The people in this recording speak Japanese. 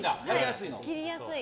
切りやすい。